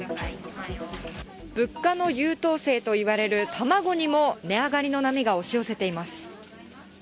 物価の優等生といわれる卵にも、値上がりの波が押し寄せています。